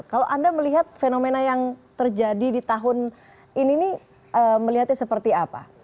kalau anda melihat fenomena yang terjadi di tahun ini nih melihatnya seperti apa